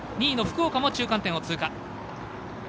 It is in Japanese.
２位の福岡も中間点を通貨。